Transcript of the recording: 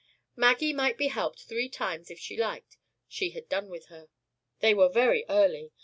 Maggie might be helped three times if she liked: she had done with her. They were very early.